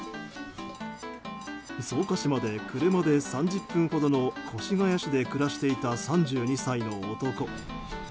草加市まで車で３０分ほどの越谷市で暮らしていた３２歳の男。